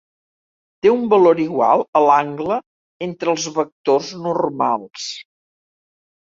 Té un valor igual a l'angle entre els vectors normals.